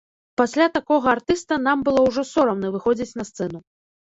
Пасля такога артыста нам было ўжо сорамна выходзіць на сцэну.